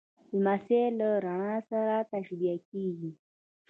لمسی له رڼا سره تشبیه کېږي.